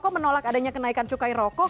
kok menolak adanya kenaikan cukai rokok